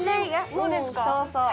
そうそう。